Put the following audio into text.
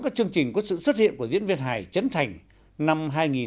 các chương trình có sự xuất hiện của diễn viên hài chấn thành năm hai nghìn một mươi